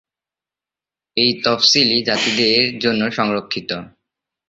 এই তফসিলী জাতিদের জন্য সংরক্ষিত।